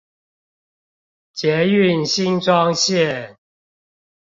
捷運新莊線